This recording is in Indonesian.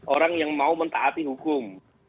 orang yang mau mentaati hukum